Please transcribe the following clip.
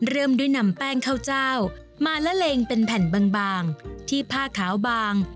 เริ่มด้วยนำแป้งข้าวเจ้ามาละเลงเป็นแผ่นบางที่ผ้าขาวบาง